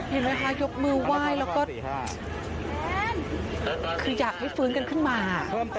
เห็นไหมคะยกมือไหว้แล้วก็คืออยากให้ฟื้นกันขึ้นมา